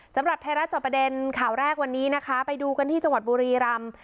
สำหรับไทยรัฐจอบประเด็นข่าวแรกวันนี้นะคะไปดูกันที่จังหวัดบุรีรำ